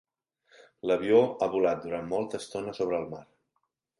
L'avió ha volat durant molta estona sobre el mar.